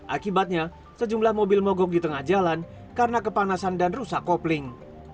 akibatnya sejumlah mobil mogok di tengah jalan karena kepanasan dan rusak kopling